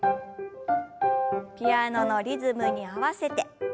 ピアノのリズムに合わせて。